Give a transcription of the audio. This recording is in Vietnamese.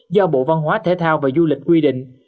do bộ văn hóa thể thao và du lịch quy định